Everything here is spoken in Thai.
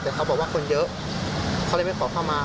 แต่เขาบอกว่าคนเยอะเขาเลยไม่ขอเข้ามา